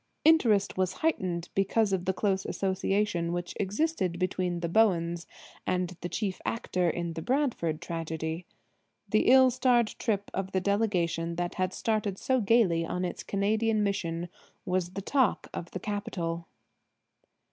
Interest was heightened because of the close association which existed between the Bowens and the chief actor in the Bradford tragedy. The ill starred trip of the delegation that had started so gaily on its Canadian mission was the talk of the capital.